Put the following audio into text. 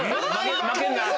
負けんな